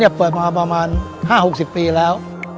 ที่สำเร็จเปิดมาประมาณ๕๖๐ปีแล้ว